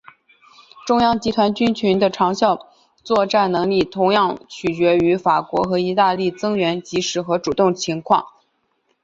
中央集团军群的长效作战能力同样取决于法国和意大利的增援的及时和主动情况。